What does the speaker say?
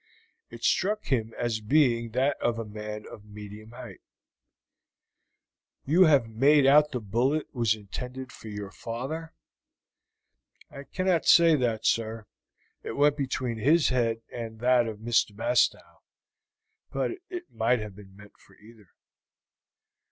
It struck him as being that of a man of medium height. "You have made out that the bullet was intended for your father?" "I cannot say that, sir, it went between his head and that of Mr. Bastow, but it might have been meant for either."